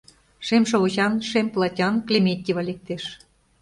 Шем шовычан, шем платян Клементьева лектеш.